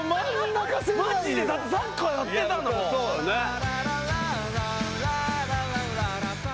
マジでだってサッカーやってたんだもん。